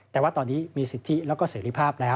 แต่ว่าตอนนี้มีสิทธิแล้วก็เสรีภาพแล้ว